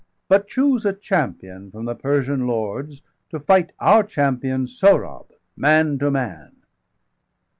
But choose a champion from the Persian lords To fight our champion Sohrab, man to man."